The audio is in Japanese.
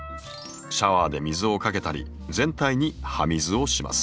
シャワーで水をかけたり全体に葉水をします。